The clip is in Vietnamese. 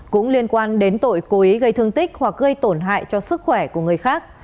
cũng liên quan đến tội cố ý gây thương tích hoặc gây tổn hại cho sức khỏe của người khác